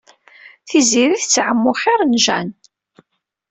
Tiziri tettɛumu xir n Jane.